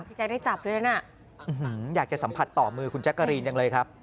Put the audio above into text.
แจ๊คได้จับด้วยนะอยากจะสัมผัสต่อมือคุณแจ๊กกะรีนจังเลยครับ